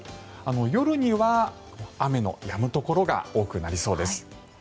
夜には雨のやむところが多くなりそうです。